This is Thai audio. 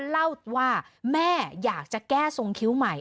เล่าว่าแม่อยากจะแก้ทรงคิ้วใหม่